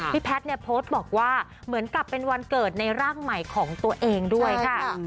แพทย์เนี่ยโพสต์บอกว่าเหมือนกับเป็นวันเกิดในร่างใหม่ของตัวเองด้วยค่ะ